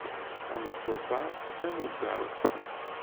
Tameṭṭut-a d tamugaḍt.